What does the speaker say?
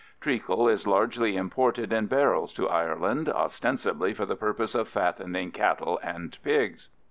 Treacle is largely imported in barrels to Ireland, ostensibly for the purpose of fattening cattle and pigs.